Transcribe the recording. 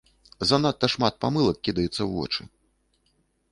Занадта шмат памылак кідаецца ў вочы.